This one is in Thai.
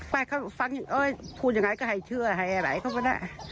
ไปเขาฟังพูดยังไงก็ให้เชื่อให้ไหลเข้ามานะ